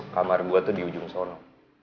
kamar gue tuh di ujung sana